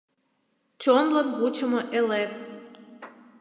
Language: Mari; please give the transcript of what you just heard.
Чонлын вучымо элет